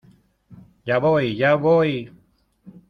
Ya voy, ya voy.